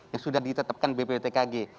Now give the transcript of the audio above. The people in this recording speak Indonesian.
yang sudah ditetapkan bpptkg